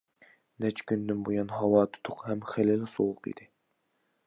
نەچچە كۈندىن بۇيان ھاۋا تۇتۇق ھەم خېلىلا سوغۇق ئىدى.